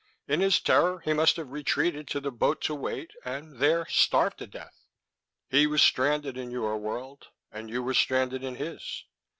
In his terror he must have retreated to the boat to wait, and there starved to death. "He was stranded in your world, and you were stranded in his."